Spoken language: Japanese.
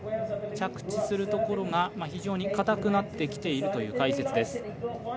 着地するところが非常に硬くなってきているという解説です。